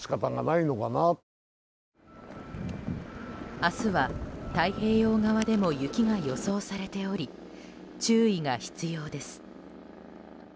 明日は、太平洋側でも雪が予想されており注意が必要です。